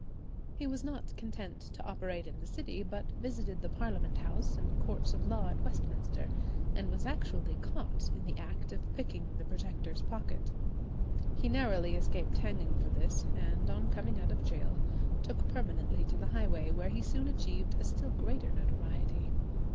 He was not content to operate in the city, but visited the Parliament House and Courts of Law at Westminster, and was actually caught in the act of picking the Protector's pocket. He narrowly escaped hanging for this, and on coming out of gaol took permanently to the highway, where he soon achieved a still greater notoriety.